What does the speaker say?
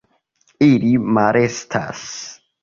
Ili malestas.